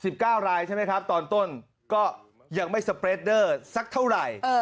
สิบเก้ารายใช่ไหมครับตอนต้นก็ยังไม่สักเท่าไรเออ